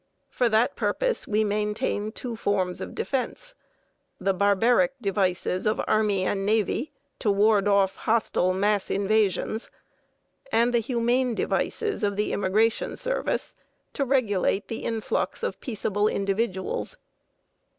For that purpose we maintain two forms of defense: the barbaric devices of army and navy, to ward off hostile mass invasions; and the humane devices of the immigration service, to regulate the influx of peaceable individuals.